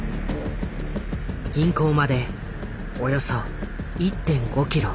銀行までおよそ１．５キロ。